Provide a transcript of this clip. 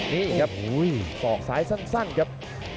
นี่ครับสอกซ้ายสั้นครับ